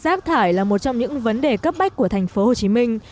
rác thải là một trong những vấn đề cấp bách của thành phố hồ chí minh